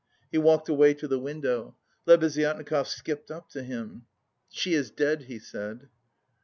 He walked away to the window. Lebeziatnikov skipped up to him. "She is dead," he said.